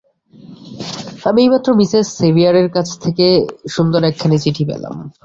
আমি এইমাত্র মিসেস সেভিয়ারের কাছ থেকে সুন্দর একখানি চিঠি পেলাম।